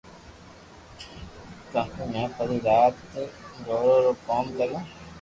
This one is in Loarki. ڪالي مي پري رات درزو رو ڪوم ڪريو